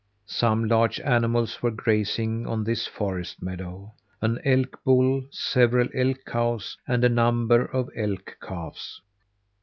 Some large animals were grazing on this forest meadow an elk bull, several elk cows and a number of elk calves.